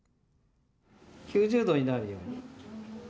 ９０度になるように。